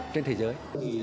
trên thế giới